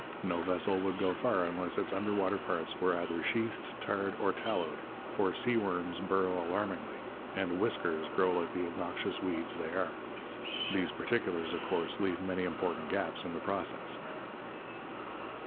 No vessel would go far unless its under water parts were either sheathed, tarred, or tallowed; for sea worms burrow alarmingly, and 'whiskers' grow like the obnoxious weeds they are. These particulars, of course, leave many important gaps in the process.